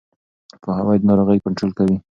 پوهاوی د ناروغۍ کنټرول کوي.